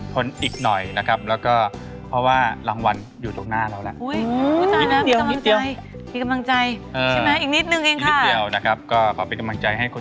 ผลอีกหน่อยนะครับแล้วก็เพราะว่ารางวัลอยู่ตรงหน้าเราแล้ว